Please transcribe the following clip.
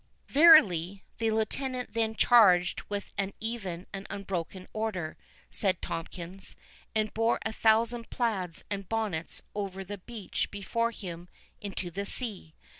"Verily, the lieutenant then charged with an even and unbroken order," said Tomkins, "and bore a thousand plaids and bonnets over the beach before him into the sea.